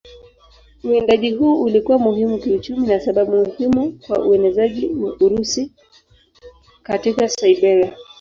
Uwindaji huu ulikuwa muhimu kiuchumi na sababu muhimu kwa uenezaji wa Urusi katika Siberia.